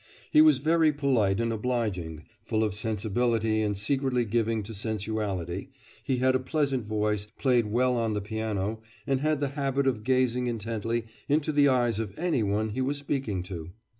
He was very polite and obliging, full of sensibility and secretly given to sensuality, he had a pleasant voice, played well on the piano, and had the habit of gazing intently into the eyes of any one he was speaking to.